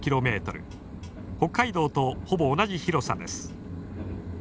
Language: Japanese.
北海道とほぼ同じ広さです。